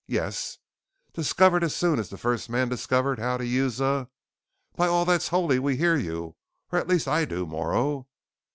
_" "Yes, discovered as soon as the first man discovered how to use a _by all that's holy, we hear you! Or at least I do! Morrow?